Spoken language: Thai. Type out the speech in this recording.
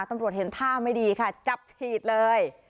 ตำรวจเห็นท่าไม่ดีค่ะจับฉีดเลย